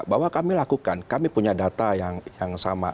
bahwa kami lakukan kami punya data yang sama